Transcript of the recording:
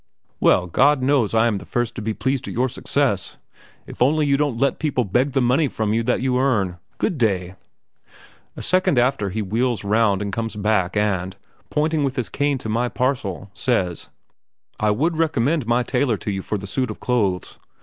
"Well, God knows I am the first to be pleased at your success. If only you don't let people beg the money from you that you earn. Good day!" A second after he wheels round and comes back and, pointing with his cane to my parcel, says: "I would recommend my tailor to you for the suit of clothes.